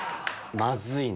「まずいな」